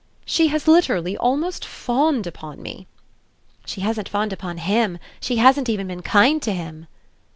"She has literally almost fawned upon me." "She hasn't fawned upon HIM. She hasn't even been kind to him."